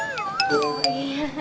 buka dulu helmnya